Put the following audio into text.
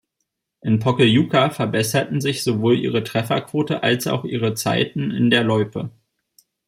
In Pokljuka verbesserten sich sowohl ihre Trefferquote als auch ihre Zeiten in der Loipe.